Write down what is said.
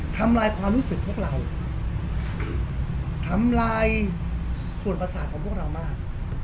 ทำลายความรู้สึกพวกเราทำลายส่วนประสาทของพวกเรามาก